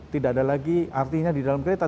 tidak ada lagi artinya di dalam kereta